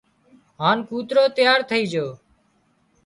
هانَ ڪوترو تيار ٿئي جھو